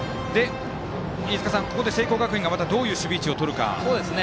飯塚さん、ここで聖光学院がどんな守備位置をとるか。